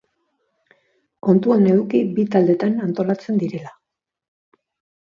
Kontuan eduki bi taldetan antolatzen direla.